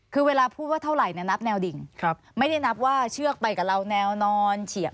คือเวลาพูดว่าเท่าไหร่เนี่ยนับแนวดิ่งไม่ได้นับว่าเชือกไปกับเราแนวนอนเฉียบ